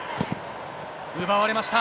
奪われました。